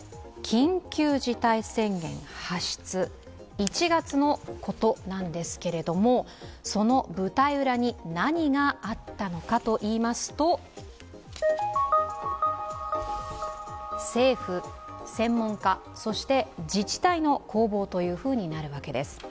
１月のことなんですけれども、その舞台裏に何があったのかといいますと政府、専門家、そして自治体の攻防となるわけです。